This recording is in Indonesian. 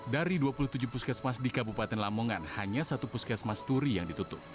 dari dua puluh tujuh puskesmas di kabupaten lamongan hanya satu puskesmas turi yang ditutup